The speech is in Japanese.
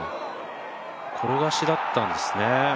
転がしだったんですね。